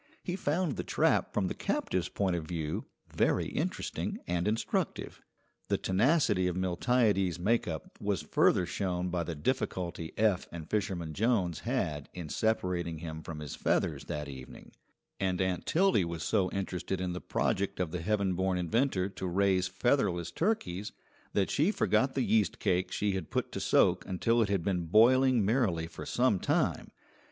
He found the trap from the captive's point of view very interesting and instructive. The tenacity of Miltiades's make up was further shown by the difficulty Eph and Fisherman Jones had in separating him from his feathers that evening; and Aunt Tildy was so interested in the project of the heaven born inventor to raise featherless turkeys that she forgot the yeast cake she had put to soak until it had been boiling merrily for some time.